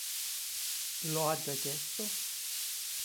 Lo ha già chiesto?